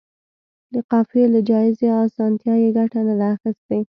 د قافیې له جائزې اسانتیا یې ګټه نه ده اخیستې.